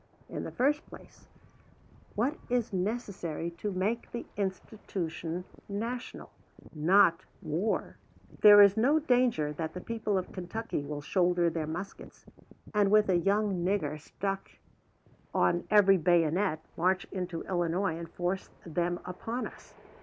In the first place, what is necessary to make the institution national? Not war. There is no danger that the people of Kentucky will shoulder their muskets, and, with a young nigger stuck on every bayonet, march into Illinois and force them upon us.